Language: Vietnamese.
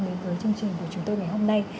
đến với chương trình của chúng tôi ngày hôm nay